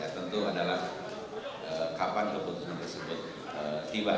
tentu adalah kapan keputusan tersebut tiba